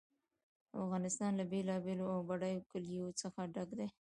افغانستان له بېلابېلو او بډایه کلیو څخه ډک دی.